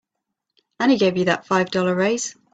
And he gave you that five dollar raise.